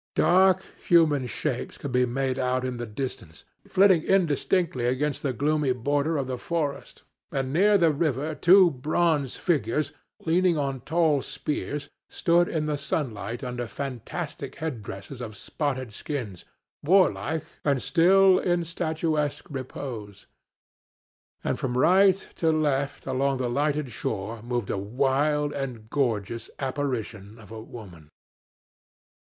"Dark human shapes could be made out in the distance, flitting indistinctly against the gloomy border of the forest, and near the river two bronze figures, leaning on tall spears, stood in the sunlight under fantastic headdresses of spotted skins, warlike and still in statuesque repose. And from right to left along the lighted shore moved a wild and gorgeous apparition of a woman.